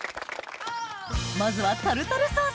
まずはタルタルソース